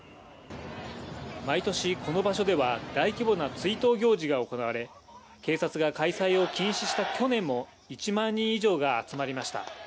毎年この場所では、大規模な追悼行事が行われ、警察が開催を禁止した去年も、１万人以上が集まりました。